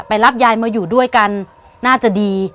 รับยายมาอยู่ด้วยกันน่าจะดี